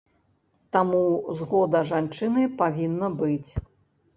Таму, згода жанчыны павінна быць.